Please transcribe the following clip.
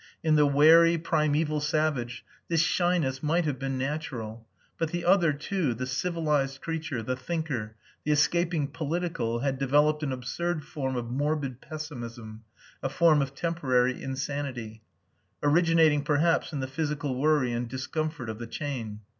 In the wary primeval savage this shyness might have been natural, but the other too, the civilized creature, the thinker, the escaping "political" had developed an absurd form of morbid pessimism, a form of temporary insanity, originating perhaps in the physical worry and discomfort of the chain.